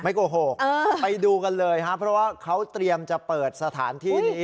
โกหกไปดูกันเลยครับเพราะว่าเขาเตรียมจะเปิดสถานที่นี้